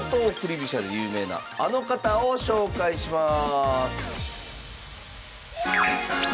飛車で有名なあの方を紹介します